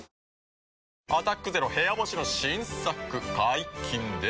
「アタックＺＥＲＯ部屋干し」の新作解禁です。